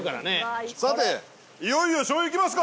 さていよいよ醤油いきますか！